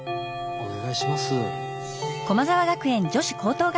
お願いします。